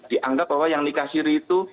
dianggap bahwa yang nikah siri itu